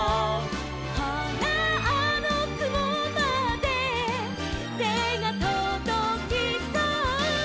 「ほらあのくもまでてがとどきそう」